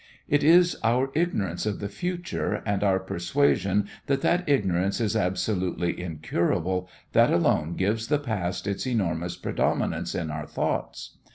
It is our ignorance of the future and our persuasion that that ignorance is absolutely incurable that alone gives the past its enormous predominance in our thoughts.